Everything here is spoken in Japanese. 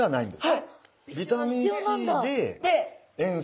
はい。